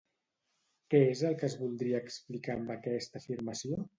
Què és el que es voldria explicar amb aquesta afirmació?